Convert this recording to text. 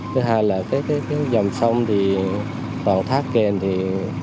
thứ hai là dòng sông toàn thác kền